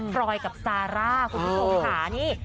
ปลอยกับซาร่าคุณพี่โถ่ผ่านี่